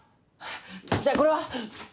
じゃあこれは？